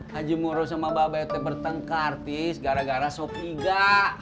haji muroh sama mbak be t bertengkar tis gara gara sopiga